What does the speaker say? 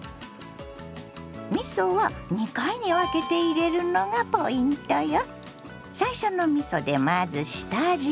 みそは２回に分けて入れるのがポイントよ。